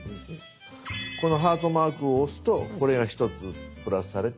このハートマークを押すとこれが１つプラスされて。